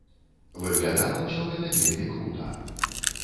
Выглядала ўсё гэта вельмі крута.